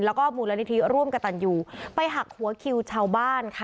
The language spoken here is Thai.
แล้วก็มูลนิธิร่วมกับตันยูไปหักหัวคิวชาวบ้านค่ะ